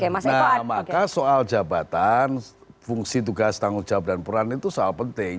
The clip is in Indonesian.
nah maka soal jabatan fungsi tugas tanggung jawab dan peran itu soal penting